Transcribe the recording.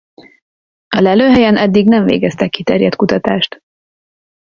A lelőhelyen eddig nem végeztek kiterjedt kutatást.